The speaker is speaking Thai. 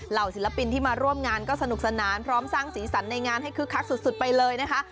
ศิลปินที่มาร่วมงานก็สนุกสนานพร้อมสร้างสีสันในงานให้คึกคักสุดไปเลยนะคะ